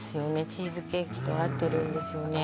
チーズケーキと合ってるんですよね